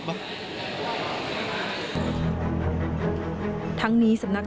ทั้งนี้สำนักจังห์วิทยาลัย